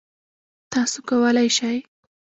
تاسو کولی شئ